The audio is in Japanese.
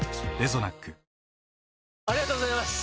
ありがとうございます！